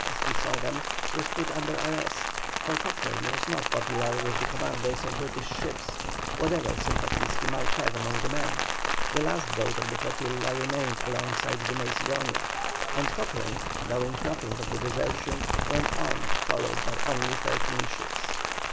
as he saw them, was put under arrest, for Cochrane was not popular with the commanders of British ships, whatever sympathies he might have among the men. The last boat of the flotilla remained alongside the Macedonia, and Cochrane, knowing nothing of the desertion, went on, followed by only thirteen boats.